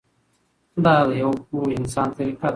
دا د یوه پوه انسان طریقه ده.